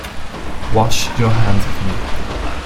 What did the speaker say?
Wash your hands of me.